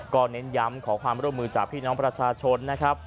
ก็เน้นย้ำขอความร่วมมือจากพี่น้องประชาชนนะครับ